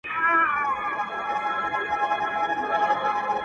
کيږي او ژورېږي,